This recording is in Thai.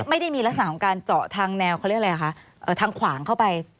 ไม่ได้มีระสานของการเจาะทางแผนวทางขวางเข้าไป